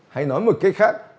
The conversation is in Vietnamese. hay nói một cách khác